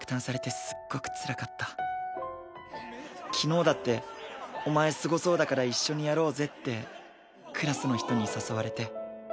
昨日だってお前すごそうだから一緒にやろうぜってクラスの人に誘われて。